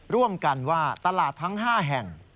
ร่วมกันว่าตลาดทั้ง๕แห่ง